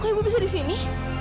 kok ibu bisa disini